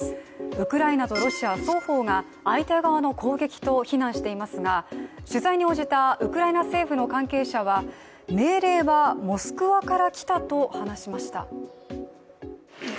ウクライナとロシア双方が相手側の攻撃と非難していますが取材に応じたウクライナ政府の関係者は命令はモスクワからきたと話しました。